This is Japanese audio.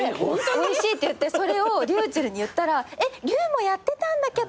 「おいしい」って言ってそれをｒｙｕｃｈｅｌｌに言ったら「りゅうもやってたんだけど」って言って。